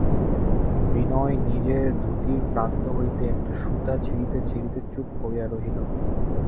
বিনয় নিজের ধুতির প্রান্ত হইতে একটা সুতা ছিঁড়িতে ছিঁড়িতে চুপ করিয়া রহিল।